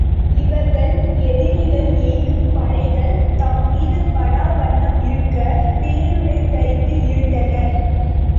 இவர்கள் எதிரிகள் எய்யும் படைகள் தம்மீது படா வண்ணம் இருக்கப் போருடைதரித்து இருந்தனர்.